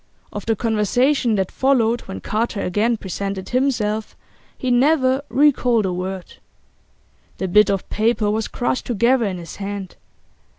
Of the conversation that followed when Carter again presented himself he never recalled a word. The bit of paper was crushed together in his hand.